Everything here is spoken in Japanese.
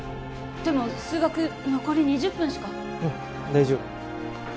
でも数学残り２０分しかうん大丈夫